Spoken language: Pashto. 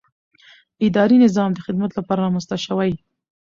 اداري نظام د خدمت لپاره رامنځته شوی.